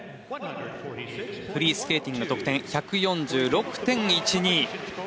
フリースケーティングの得点１４６．１２。